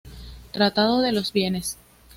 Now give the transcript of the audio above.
Tratado de los Bienes.